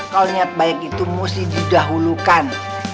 kalau niat baik itu mesti didahulukan